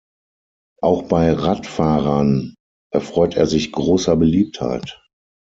Auch bei Radfahrern erfreut er sich grosser Beliebtheit.